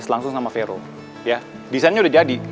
sama vero desainnya udah jadi